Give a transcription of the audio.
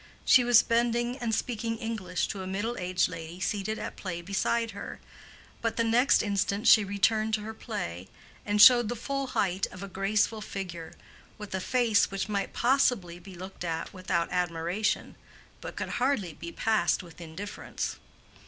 She was bending and speaking English to a middle aged lady seated at play beside her: but the next instant she returned to her play, and showed the full height of a graceful figure, with a face which might possibly be looked at without admiration, but could hardly be passed with indifference.